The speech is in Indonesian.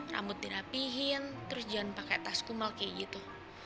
rambut dirapihin terus jangan pakai tas kumal kayak gitu